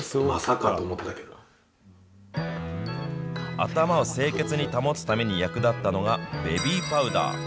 頭を清潔に保つために役立ったのが、ベビーパウダー。